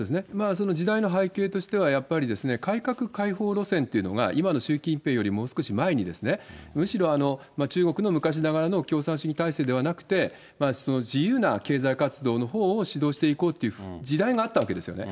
その時代の背景としては、やっぱり改革開放路線というのが、今の習近平よりもう少し前に、むしろ、中国の昔ながらの共産主義体制ではなくて、自由な経済活動のほうを主導していこうという時代があったわけですよね。